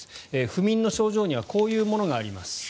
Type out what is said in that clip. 不眠の症状にはこういうものがあります。